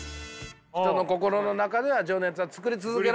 人の心の中では情熱が作り続けられてるんだ。